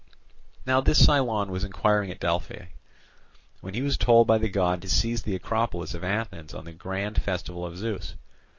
Now this Cylon was inquiring at Delphi; when he was told by the god to seize the Acropolis of Athens on the grand festival of Zeus.